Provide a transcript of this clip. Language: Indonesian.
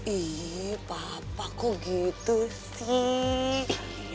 iya papa kok gitu sih